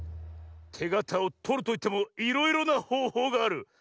てがたをとるといってもいろいろなほうほうがある。